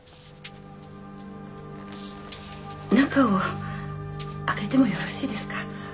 中を開けてもよろしいですか？